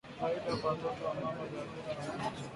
Faida kwa watoto wamama wajawazito wanaonyonyesha na wazee